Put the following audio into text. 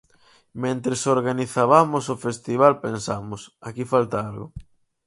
Mentres organizabamos o festival pensamos: 'aquí falta algo'.